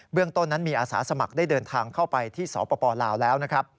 เบื้องต้นนั้นมีอาศาสมัครได้เดินทางเข้าไปที่สปปลาวแล้ว